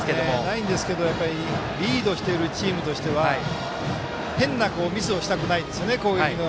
ないんですけどリードしているチームとしては変なミスをしたくないですよね攻撃の。